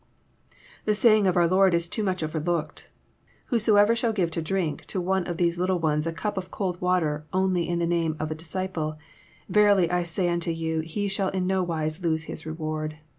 The saying of our Lord is too much overlooked :" Whosoever shall give to drink to one of these little ones a cup of cold water only in the name of a disciple, verily I say unto you he shall in no wise lose his reward."